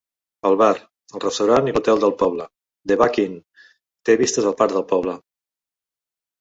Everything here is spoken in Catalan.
El bar, el restaurant i l'hotel del poble, The Buck Inn, té vistes al parc del poble.